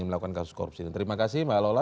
melakukan kasus korupsi terima kasih mbak lola